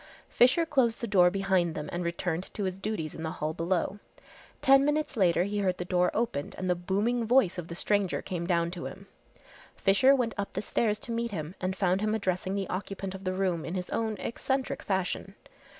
Fisher closed the door behind them and returned to his duties in the hall below. Ten minutes later he heard the door opened and the booming voice of the stranger came down to him. Fisher went up the stairs to meet him and found him addressing the occupant of the room in his own eccentric fashion.